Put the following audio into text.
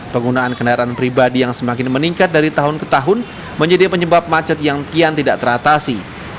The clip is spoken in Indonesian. penggunaan kendaraan pribadi yang semakin meningkat dari tahun ke tahun menjadi penyebab macet yang kian tidak teratasi